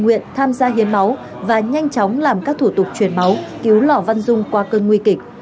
nguyện tham gia hiến máu và nhanh chóng làm các thủ tục chuyển máu cứu lò văn dung qua cơn nguy kịch